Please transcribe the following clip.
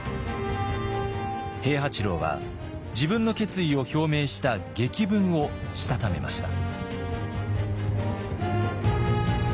平八郎は自分の決意を表明した檄文をしたためました。